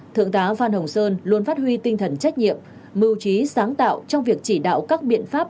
thượng tá phan hồng sơn luôn phát huy tinh thần trách nhiệm mưu trí sáng tạo trong việc chỉ đạo các biện pháp